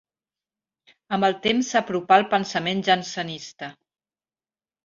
Amb el temps s'apropà al pensament jansenista.